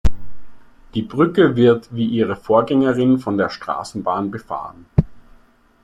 Die Brücke wird wie ihre Vorgängerin von der Straßenbahn befahren.